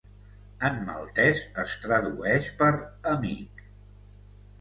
En maltès es tradueix per "amic".